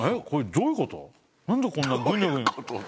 「どういうこと」って？